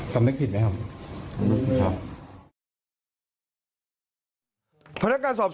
สำนึกผิดไหมครับ